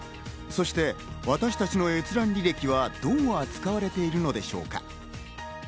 そして私たちの閲覧履歴はどう扱われているのでしょうか。